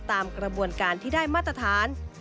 ตามกระบวนการที่ได้มาตรฐาน